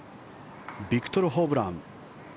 ビクトル・ホブラン。